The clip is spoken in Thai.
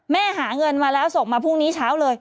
หาเงินมาแล้วส่งมาพรุ่งนี้เช้าเลย